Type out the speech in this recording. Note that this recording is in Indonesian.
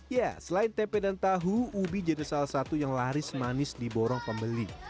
ya selain tempe dan tahu ubi jadi salah satu yang laris manis di borong pembeli